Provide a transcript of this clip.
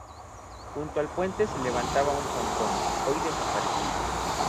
Junto al puente se levantaba un pontón, hoy desaparecido.